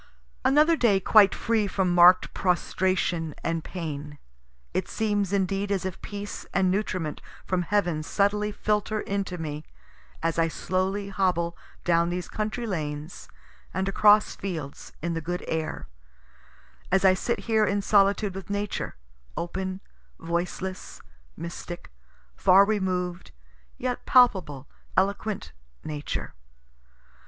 Another day quite free from mark'd prostration and pain. It seems indeed as if peace and nutriment from heaven subtly filter into me as I slowly hobble down these country lanes and across fields, in the good air as I sit here in solitude with Nature open, voiceless, mystic, far removed, yet palpable, eloquent Nature.